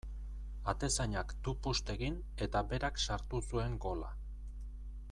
Atezainak tupust egin eta berak sartu zuen gola.